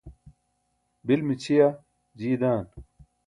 bil mićʰiya jiiye dan